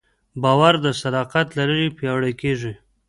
باور د صداقت له لارې پیاوړی کېږي.